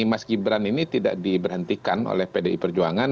mas gibran ini tidak diberhentikan oleh pdi perjuangan